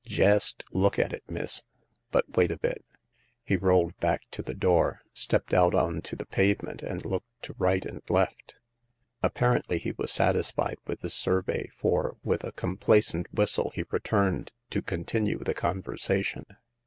Jest look at it, miss— but wait a bit." He rolled back to the door, stepped out on to the pavement, and looked to right and left. Apparently he was satisfied with this sur vey, for with a complacent whistle he returned to continue the conversation.